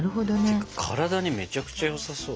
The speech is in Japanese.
ってか体にめちゃくちゃよさそう。